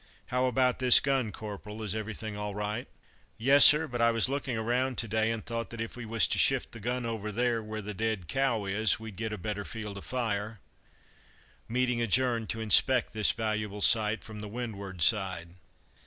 "How about this gun, Corporal is everything all right?" "Yes, sir; but I was looking around to day, and thought that if we was to shift the gun over there, where the dead cow is, we'd get a better field of fire." Meeting adjourned to inspect this valuable site from the windward side.